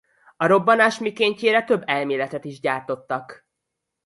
A robbanás mikéntjére több elméletet is gyártottak.